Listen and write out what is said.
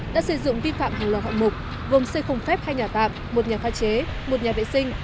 đã xây dựng vi phạm hàng loại hậu mục gồm xây khung phép hai nhà tạm một nhà pha chế một nhà vệ sinh